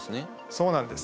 そうなんです。